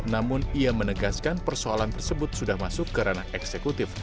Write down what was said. namun ia menegaskan persoalan tersebut sudah masuk ke ranah eksekutif